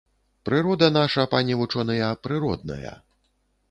Прырода наша, пане вучоныя, прыродная.